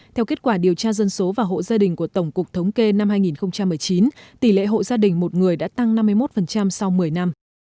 theo kết quả điều tra dân số và hộ gia đình của tổng cục thống kê năm hai nghìn một mươi chín tỷ lệ hộ gia đình một người đã tăng năm mươi một sau một mươi năm